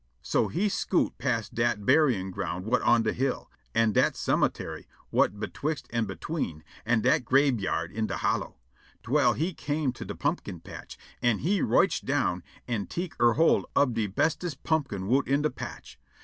So he scoot' past dat buryin' ground whut on de hill, an' dat cemuntary whut betwixt an' between, an' dat grabeyard in de hollow, twell he come' to de pumpkin patch, an' he rotch' down an' tek' erhold ob de bestest pumpkin whut in de patch.